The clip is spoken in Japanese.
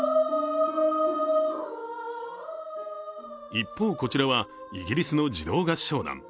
一方、こちらはイギリスの児童合唱団。